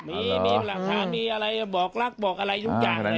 มีมีหลักฐานมีอะไรบอกลักษณ์บอกอะไรทุกอย่างอยู่ในนั้น